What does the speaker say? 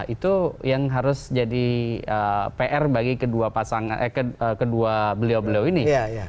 itu yang harus jadi pr bagi kedua beliau beliau ini